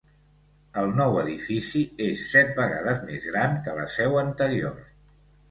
El nou edifici és set vegades més gran que la seu anterior.